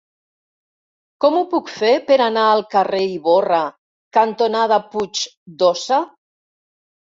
Com ho puc fer per anar al carrer Ivorra cantonada Puig d'Óssa?